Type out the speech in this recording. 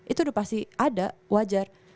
itu udah pasti ada wajar